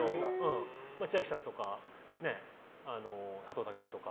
千秋ちゃんとか佐藤健とか。